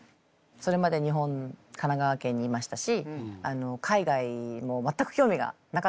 それまで日本神奈川県にいましたし海外も全く興味がなかったんです。